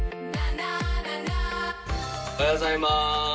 おはようございます。